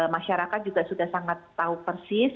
masyarakat juga sudah sangat tahu persis